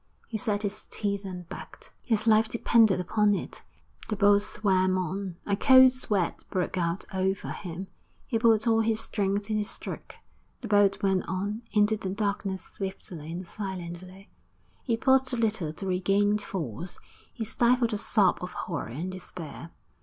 He set his teeth and backed; his life depended upon it. The boat swam on. A cold sweat broke out over him; he put all his strength in his stroke. The boat went on into the darkness swiftly and silently. He paused a little to regain force; he stifled a sob of horror and despair.